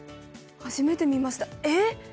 初めて見ました。